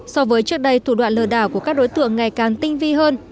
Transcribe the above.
so với trước đây thủ đoạn lừa đảo của các đối tượng ngày càng tinh vi hơn